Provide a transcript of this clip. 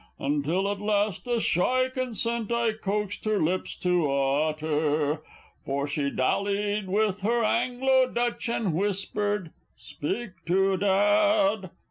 Until at last a shy consent I coaxed her lips to utter, For she dallied with her Anglo Dutch, and whispered, "Speak to Dad!"